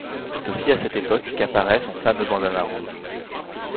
C'est aussi à cette époque qu'apparaît son fameux bandana rouge.